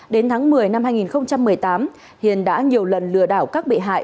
đến tháng một mươi năm hai nghìn một mươi tám hiền đã nhiều lần lừa đảo các bị hại